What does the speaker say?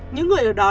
những người ở đó